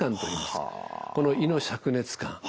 この胃のしゃく熱感。